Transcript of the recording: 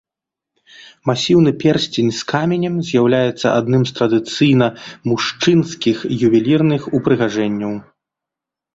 Масіўны персцень з каменем з'яўляецца адным з традыцыйна мужчынскіх ювелірных упрыгажэнняў.